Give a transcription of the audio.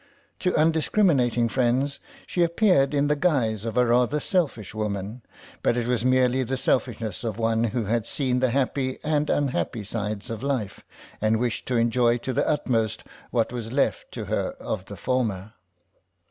To undiscriminating friends she appeared in the guise of a rather selfish woman, but it was merely the selfishness of one who had seen the happy and unhappy sides of life and wished to enjoy to the utmost what was left to her of the former.